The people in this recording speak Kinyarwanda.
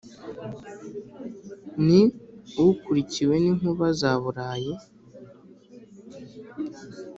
ni ukurikiwe n’inkuba za burayi,